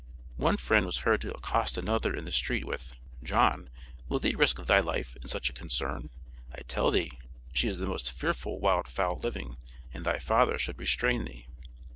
One friend was heard to accost another in the street with: "John, will thee risk thy life in such a concern? I tell thee she is the most fearful wild fowl living, and thy father should restrain thee."